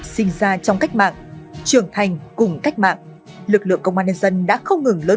sinh ra trong cách mạng trưởng thành cùng cách mạng lực lượng công an nhân dân đã không ngừng lớn